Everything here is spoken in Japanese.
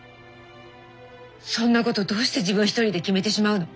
そんなことどうして自分一人で決めてしまうの？